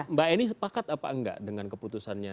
mbak eni sepakat apa enggak dengan keputusannya